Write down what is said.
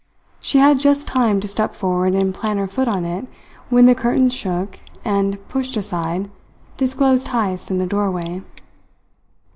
She had just time to step forward and plant her foot on it when the curtains shook, and, pushed aside, disclosed Heyst in the doorway.